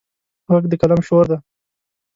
غږ د قلم شور دی